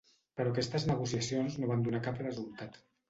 Però aquestes negociacions no van donar cap resultat.